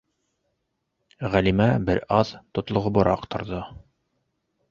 - Ғәлимә бер аҙ тотлоғобораҡ торҙо.